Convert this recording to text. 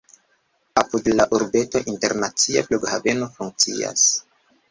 Apud la urbeto internacia flughaveno funkcias.